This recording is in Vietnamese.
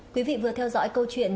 quý vị vừa theo dõi câu chuyện